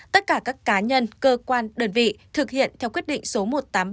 tất cả các cá nhân cơ quan đơn vị thực hiện theo quyết định số một nghìn tám trăm ba mươi